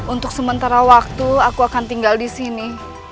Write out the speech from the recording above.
untuk sementara waktu aku akan tinggal di sini